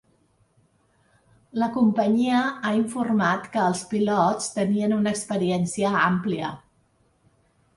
La companyia ha informat que els pilots tenien una experiència àmplia.